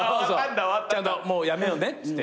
ちゃんと「やめようね」っつって。